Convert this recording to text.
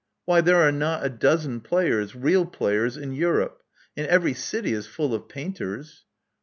Why, there are not a dozen players — real players — in Europe; and every city is full of painters."